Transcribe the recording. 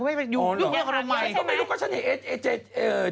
ไม่รู้ก็ฉันเห็น